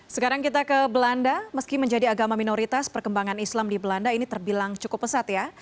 sekarang kita ke belanda meski menjadi agama minoritas perkembangan islam di belanda ini terbilang cukup pesat ya